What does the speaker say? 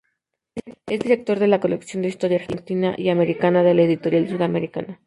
Es Director de la colección de Historia Argentina y Americana de la Editorial Sudamericana.